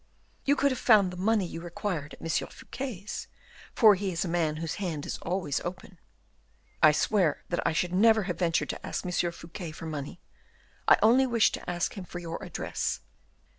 "You would have found the money you require at M. Fouquet's, for he is a man whose hand is always open." "I swear that I should never have ventured to ask M. Fouquet for money. I only wished to ask him for your address."